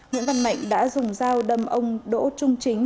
nguyễn văn mạnh đã dùng dao đâm ông đỗ trung chính